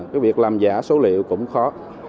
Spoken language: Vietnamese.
cái việc làm giả số liệu cũng khó